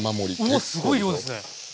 うわっすごい量ですね！